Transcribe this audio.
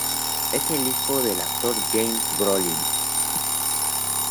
Es hijo del actor James Brolin.